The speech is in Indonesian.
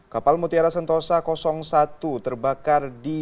kapal mutiara sentosa satu terbakar di